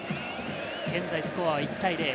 現在スコアは１対０。